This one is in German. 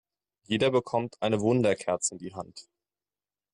Jeder bekommt eine Wunderkerze in die Hand.